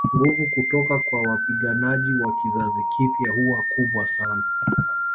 Nguvu kutoka kwa wapiganaji wa kizazi kipya huwa kubwa sana